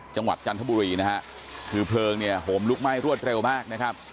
จันทบุรีนะฮะคือเพลิงเนี่ยโหมลุกไหม้รวดเร็วมากนะครับ